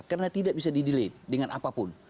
karena tidak bisa di delay dengan apapun